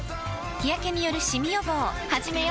日やけによるシミ予防始めよ？